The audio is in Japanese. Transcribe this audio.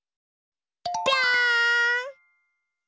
ぴょん！